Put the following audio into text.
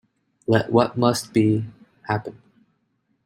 Let what must be, happen.